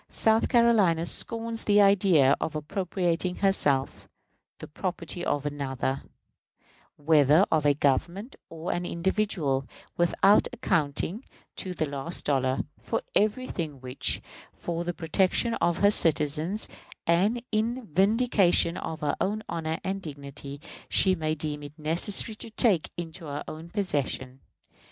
South Carolina scorns the idea of appropriating to herself the property of another, whether of a government or an individual, without accounting, to the last dollar, for everything which, for the protection of her citizens and in vindication of her own honor and dignity, she may deem it necessary to take into her own possession.